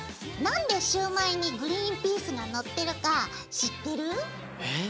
何でシュウマイにグリンピースがのってるか知ってる？ええ？